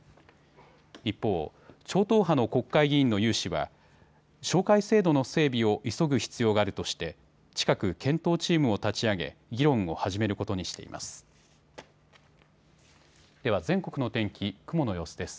一方、超党派の国会議員の有志は照会制度の整備を急ぐ必要があるとして近く検討チームを立ち上げ議論を始めることにしています。